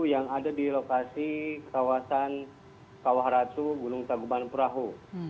yang ada di lokasi kawasan kawah ratu gunung tangkuban perahu